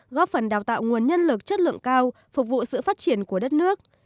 góp phần đào tạo nguồn nhân lực chất lượng cao phục vụ sự phát triển của đất nước